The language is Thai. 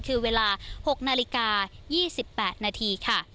คือเวลา๖นาฬิกา๒๘นาทีค่ะ